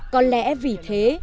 có lẽ vì thế